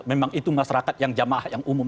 memang itu masyarakat yang jamaah yang umum